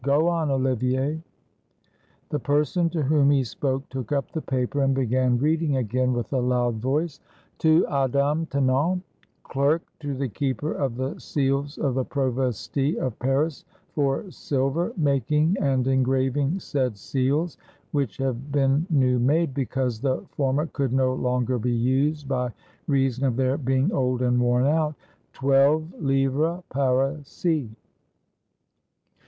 Go on, Olivier." The person to whom he spoke took up the paper, and began reading again with a loud voice: — "To Adam Tenon, clerk to the keeper of the seals of the provosty of Paris, for silver, making and engraving said seals, which have been new made, because the for mer could no longer be used, by reason of their being old and worn out — twelve livres parisis.